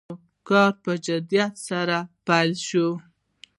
کار په جدیت سره پیل شو.